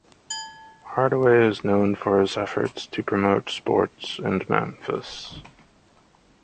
Hardaway is also known for his efforts to promote sports in Memphis.